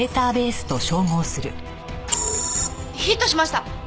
ヒットしました！